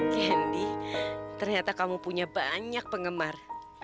kendi ternyata kamu punya banyak penggemar